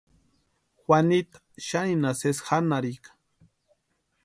Juanita xaninha sesi janharhika.